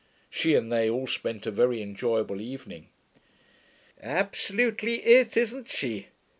She and they all spent a very enjoyable evening. 'Absolutely it, isn't she?'